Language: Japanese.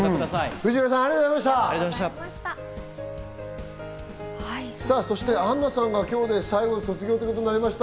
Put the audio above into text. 藤原さん、ありがとうございました。